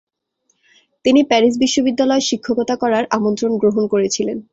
তিনি প্যারিস বিশ্ববিদ্যালয়ে শিক্ষকতার করার আমন্ত্রণ গ্রহণ করেছিলেন।